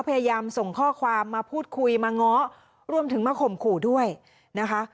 พยายามส่งข้อความมาพูดคุยมาง้อรวมถึงมาข่มขู่ด้วยนะคะ